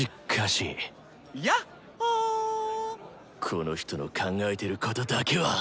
この人の考えてることだけは。